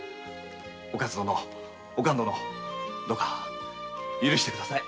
お勝殿おかん殿どうか許して下さい。